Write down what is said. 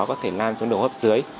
có thể lan xuống đường hô hấp dưới